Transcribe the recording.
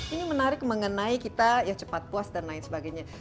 ini menarik mengenai kita ya cepat puas dan lain sebagainya